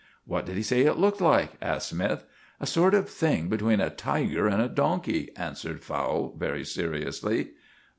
"What did he say it looked like?" asked Smythe. "A sort of thing between a tiger and a donkey," answered Fowle very seriously.